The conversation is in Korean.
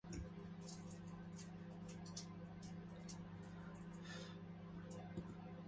이쪽으로 와봐